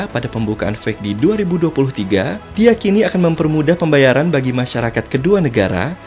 pada pembukaan fek d dua ribu dua puluh tiga diakini akan mempermudah pembayaran bagi masyarakat kedua negara